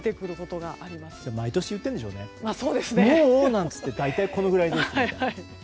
もう？なんて言って大体このぐらいですと。